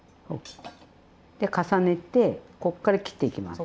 で重ねてこっから切っていきます。